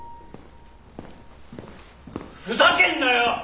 ふざけんなよ！